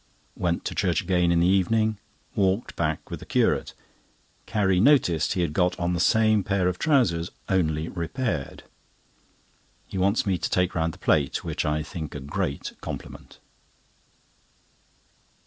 Went to Church again in the evening: walked back with the Curate. Carrie noticed he had got on the same pair of trousers, only repaired. He wants me to take round the plate, which I think a great compliment.